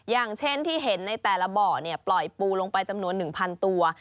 อย่างเช่นที่เห็นในแต่ละบ่อปล่อยปูลงไปจำนวน๑๐๐ตัว